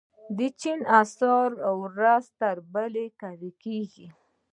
چیني اسعار ورځ تر بلې قوي کیږي.